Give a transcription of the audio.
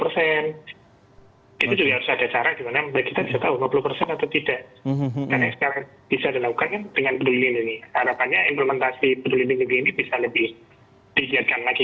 harapannya implementasi blue indomie ini bisa lebih dihiatkan lagi